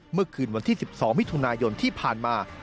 เมื่อคืนวันที่๑๒มิถุนายนที่ผ่านมา